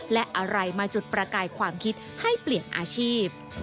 และอะไรมาจุดประกายความคิดให้เปลี่ยนอาชีพ